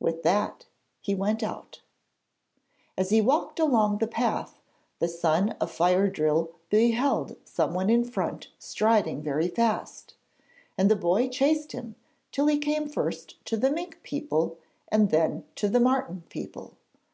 With that he went out. As he walked along the path, the son of Fire drill beheld someone in front striding very fast; and the boy chased him till he came first to the Mink people and then to the Marten people.